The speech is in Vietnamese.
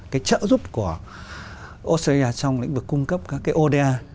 cái trợ giúp của australia trong lĩnh vực cung cấp các cái oda